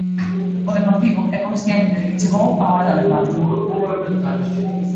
O Deportivo é consciente de que chegou a hora da verdade.